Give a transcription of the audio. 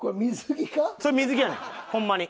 それ水着やねんホンマに。